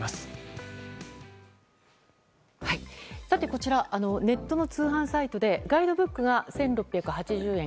こちら、ネットの通販サイトでガイドブックが１６８０円。